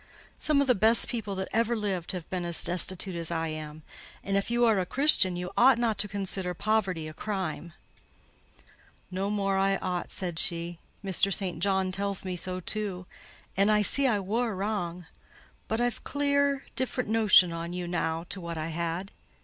Some of the best people that ever lived have been as destitute as I am; and if you are a Christian, you ought not to consider poverty a crime." "No more I ought," said she: "Mr. St. John tells me so too; and I see I wor wrang—but I've clear a different notion on you now to what I had.